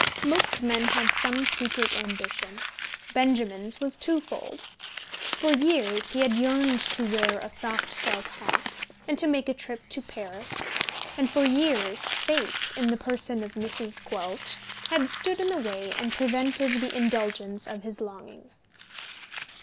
Most men have some secret ambition; Benjamin's was twofold. For years he had yearned to wear a soft felt hat and to make a trip to Paris, and for years Fate, in the person of Mrs. Quelch, had stood in the way and prevented the indulgence of his longing.